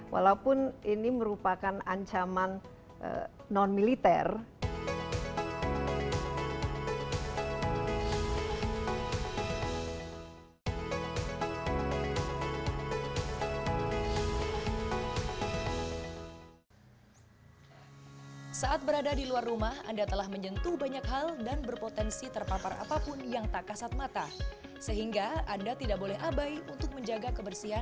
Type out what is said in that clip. walaupun ini merupakan ancaman non militer